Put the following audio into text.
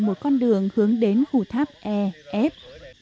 một con đường hướng đến khu tháp ef